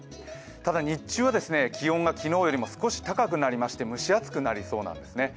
ただ日中は気温が昨日より少し高くなりまして蒸し暑くなりそうなんですね。